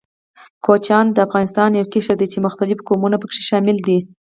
کوچيان د افغانستان يو قشر ده، چې مختلف قومونه پکښې شامل دي.